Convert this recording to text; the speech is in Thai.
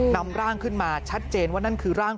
นำร่างขึ้นมาชัดเจนว่านั่นคือร่าง